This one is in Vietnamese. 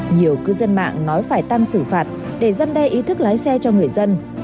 nhiều cư dân mạng nói phải tăng xử phạt để giăn đe ý thức lái xe cho người dân